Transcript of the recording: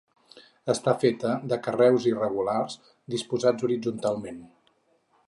Està feta de carreus irregulars disposats horitzontalment.